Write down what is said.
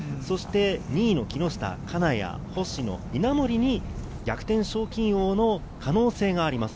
２位の木下、金谷、星野、稲森に逆転賞金王の可能性があります。